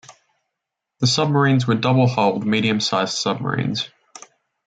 The submarines were double-hulled medium sized submarines.